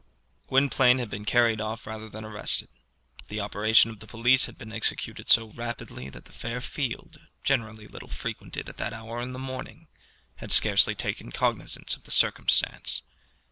Gwynplaine had been carried off rather than arrested. The operation of the police had been executed so rapidly that the Fair field, generally little frequented at that hour of the morning, had scarcely taken cognizance of the circumstance.